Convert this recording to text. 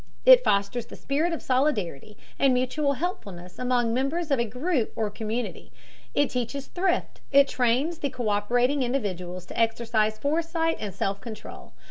It fosters the spirit of solidarity and mutual helpfulness among members of a group or community. It teaches thrift. It trains the co÷perating individuals to exercise foresight and self control.